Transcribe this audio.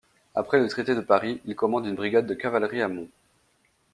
Après le traité de Paris, il commande une brigade de cavalerie à Mons.